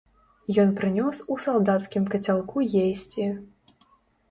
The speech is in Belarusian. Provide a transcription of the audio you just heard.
Ён прынёс у салдацкім кацялку есці.